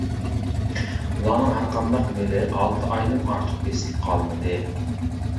ئۇلارنىڭ ھەرقانداق مېلى ئالتە ئايدىن ئارتۇق بېسىلىپ قالمىدى.